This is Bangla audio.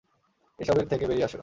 এইসবের থেকে বেরিয়ে এসো।